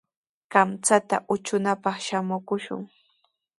Kamchata utrunapaq samakushun.